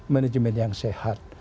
manajemen yang sehat